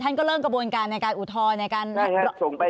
ท่านก็เริ่มกระบวนการในการอุทธรณ์ในการส่งไป